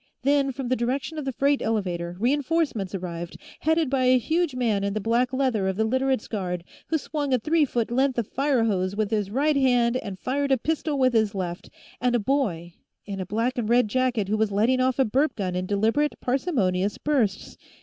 Then, from the direction of the freight elevator, reinforcements arrived, headed by a huge man in the black leather of the Literates' guard, who swung a three foot length of fire hose with his right hand and fired a pistol with his left, and a boy in a black and red jacket who was letting off a burp gun in deliberate, parsimonious, bursts.